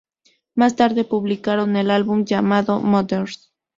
Más tarde publicaron el álbum llamado Mothers.